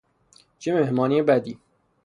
چه مهمانی بدی!